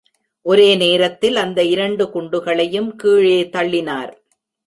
ஒரே நேரத்தில் அந்த இரண்டு குண்டுகளையும் கீழே தள்ளினார்!